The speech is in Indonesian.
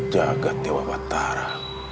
jagad dewa batara